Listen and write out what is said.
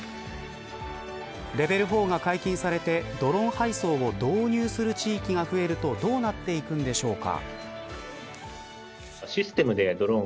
レベル４が解禁されてドローン配送を導入する地域が増えるとどうなっていくんでしょうか。